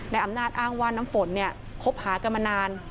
อำนาจอ้างว่าน้ำฝนเนี่ยคบหากันมานาน